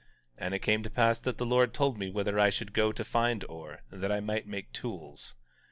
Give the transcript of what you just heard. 17:10 And it came to pass that the Lord told me whither I should go to find ore, that I might make tools.